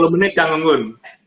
tiga puluh menit kak gunggun